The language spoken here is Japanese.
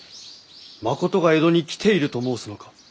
真琴が江戸に来ていると申すのか？